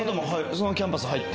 そのキャンパス入って？